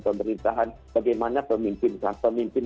pemerintahan bagaimana pemimpin